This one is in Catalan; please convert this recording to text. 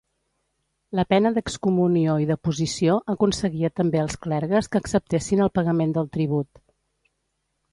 La pena d'excomunió i deposició aconseguia també als clergues que acceptessin el pagament del tribut.